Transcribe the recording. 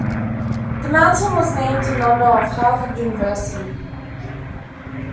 The mountain was named in honor of Harvard University.